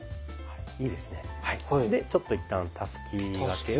でちょっと一旦たすき掛けを。